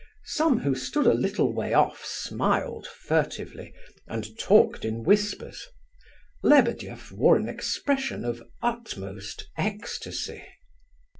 Some who stood a little way off smiled furtively, and talked in whispers. Lebedeff wore an expression of utmost ecstasy.